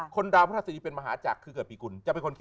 คนดาวพระศรีเป็นมหาจักรคือเกิดปีกุล